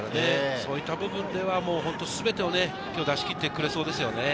そういった部分では、本当に全てを今日、出し切ってくれそうですよね。